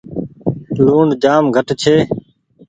لوڻ جآم گھٽ ڇي۔